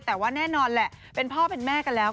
แต่ว่าแน่นอนแหละเป็นพ่อเป็นแม่กันแล้ว